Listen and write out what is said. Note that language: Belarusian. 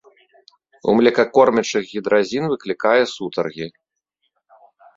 У млекакормячых гідразін выклікае сутаргі.